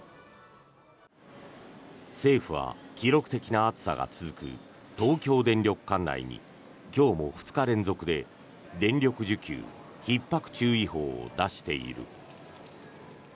政府は、記録的な暑さが続く東京電力管内に今日も２日連続で電力需給ひっ迫注意報を出している。